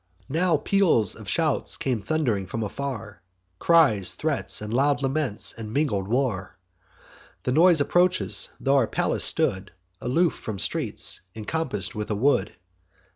"Now peals of shouts come thund'ring from afar, Cries, threats, and loud laments, and mingled war: The noise approaches, tho' our palace stood Aloof from streets, encompass'd with a wood.